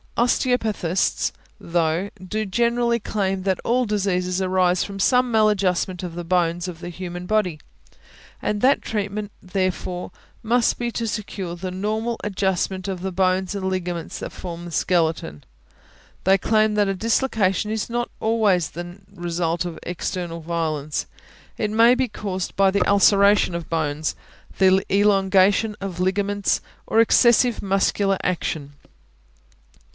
Osteopathists, though, do generally claim that all diseases arise from some maladjustment of the bones of the human body, and that treatment, therefore, must be to secure the normal adjustment of the bones and ligaments that form the skeleton. They claim that a dislocation is not always necessarily the result of external violence; it may be caused by the ulceration of bones, the elongation of ligaments, or excessive muscular action.